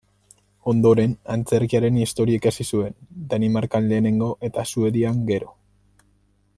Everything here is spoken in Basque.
Ondoren, Antzerkiaren Historia ikasi zuen, Danimarkan lehenengo eta Suedian gero.